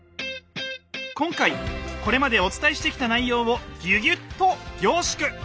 今回これまでお伝えしてきた内容をギュギュッと凝縮！